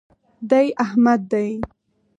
دی احمد دئ.